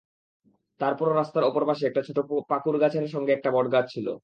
তারপরও রাস্তার অপর পাশে একটা ছোট পাকুড়গাছের সঙ্গে একটা বটগাছ ছিল।